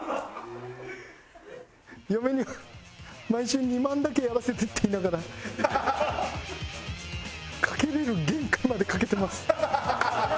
嫁には「毎週２万だけやらせて」って言いながら賭けれる限界まで賭けてます。